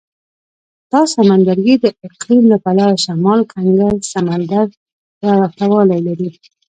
دا سمندرګي د اقلیم له پلوه شمال کنګل سمندر سره ورته والی لري.